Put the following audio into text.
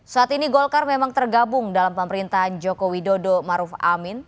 saat ini golkar memang tergabung dalam pemerintahan joko widodo maruf amin